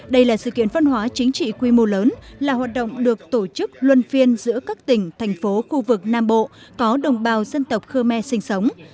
đây là sự kiện văn hóa chính trị quy mô lớn là hoạt động được tổ chức luân phiên giữa các tỉnh thành phố khu vực nam bộ có đồng bào dân tộc khơ me sinh sống